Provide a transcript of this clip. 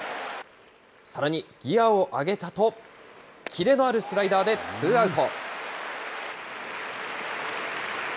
さらにギアを上げたと、切れのあるスライダーでツーアウト。